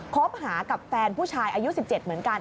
คบหากับแฟนผู้ชายอายุ๑๗เหมือนกัน